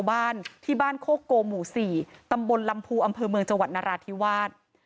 บ้านที่บ้านโคโกหมู่๔ตำบลลำพูอำเภอเมืองจังหวัดนราธิวาส